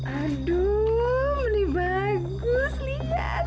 aduh bile bagus lihat